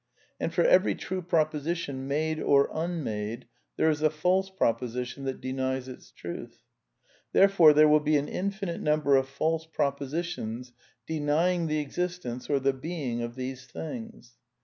And for every true proposition, made or unmade, there is a false proposition that denies its truth. Therefore there will be an infinite number of false propo i sitions denying the existence or the being of these things.